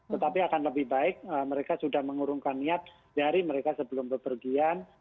tetapi akan lebih baik mereka sudah mengurungkan niat dari mereka sebelum bepergian